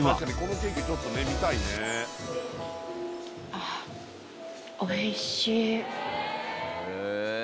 あおいしい。